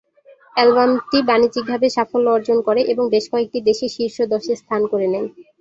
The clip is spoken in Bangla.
অ্যালবামটি বাণিজ্যিকভাবে সাফল্য অর্জন করে এবং বেশ কয়েকটি দেশে শীর্ষ দশে স্থান করে নেয়।